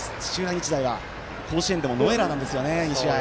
日大は甲子園でもノーエラーなんですよね、２試合。